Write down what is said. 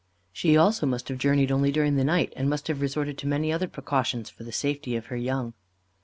She, also, must have journeyed only during the night, and must have resorted to many other precautions for the safety of her young.